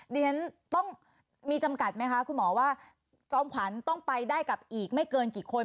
ดิฉันต้องมีจำกัดไหมคะคุณหมอว่าจอมขวัญต้องไปได้กับอีกไม่เกินกี่คน